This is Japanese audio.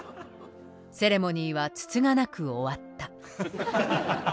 セレモニーはつつがなく終わった。